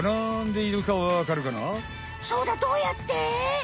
そうだどうやって？